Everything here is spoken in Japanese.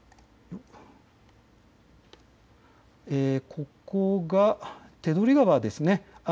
ここが手取川です。